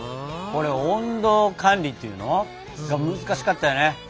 これ温度管理っていうの？が難しかったよね。